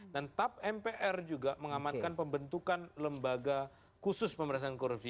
dan tap mpr juga mengamankan pembentukan lembaga khusus pemberasaan korupsi